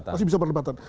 masih ada perdebatan